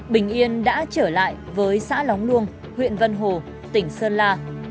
bình yên đã trở lại với xã lóng luông huyện vân hồ tỉnh sơn la